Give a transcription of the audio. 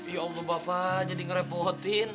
ya allah bapak jadi ngerepotin